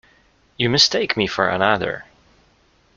You mistake me for another.